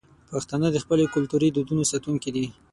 پښتانه د خپلو کلتوري دودونو ساتونکي دي.